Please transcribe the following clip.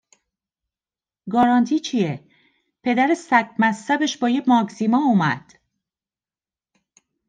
گارانتی چیه؟ پدر سگ مصبش با یه ماگزیما اومد